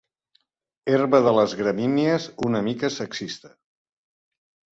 Herba de les gramínies una mica sexista.